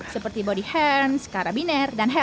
seperti body hands karabiner dan hewan